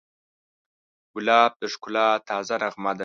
ګلاب د ښکلا تازه نغمه ده.